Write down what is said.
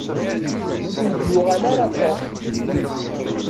Ur d-yuɣal ara Tom.